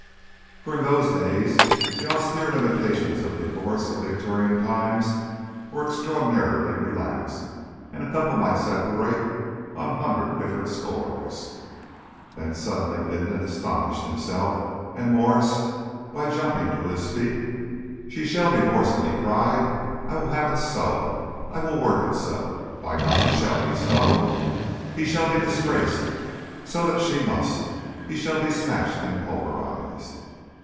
For in those days the austere limitations of divorce of Victorian times were extraordinarily relaxed, and a couple might separate on a hundred different scores. Then suddenly Bindon astonished himself and Mwres by jumping to his feet. "She shall divorce him!" he cried. "I will have it so I will work it so. By God! it shall be so. He shall be disgraced, so that she must. He shall be smashed and pulverised."